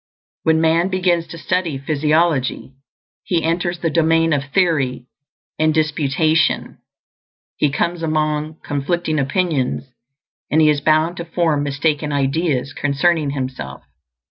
When man begins to study physiology, he enters the domain of theory and disputation; he comes among conflicting opinions, and he is bound to form mistaken ideas concerning himself.